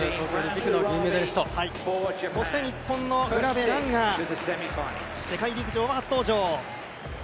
そして日本の卜部蘭が世界陸上初登場。